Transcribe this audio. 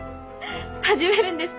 始めるんですか？